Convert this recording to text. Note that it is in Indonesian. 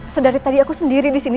sedari tadi aku sendiri di sini